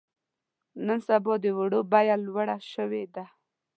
نن سبا د وړو بيه لوړه شوې ده.